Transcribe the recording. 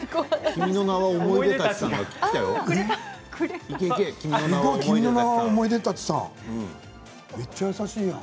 君の名は思い出たちさんくれたよ。